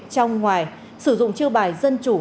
trong ngoài sử dụng chư bài dân chủ